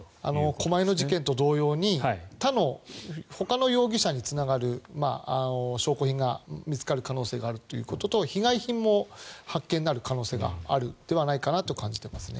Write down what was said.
狛江の事件と同様にほかの事件につながる証拠品が見つかる可能性があるということと被害品も発見される可能性があるのではないかなと感じていますね。